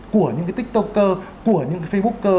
của những cái tiktoker của những cái facebooker